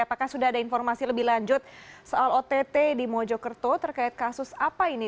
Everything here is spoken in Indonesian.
apakah sudah ada informasi lebih lanjut soal ott di mojokerto terkait kasus apa ini